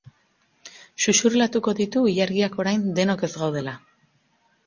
Xuxurlatuko ditu ilargiak orain denok ez gaudela.